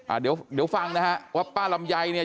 อ่าเดี๋ยวเดี๋ยวฟังนะฮะว่าป้าลำไยเนี่ย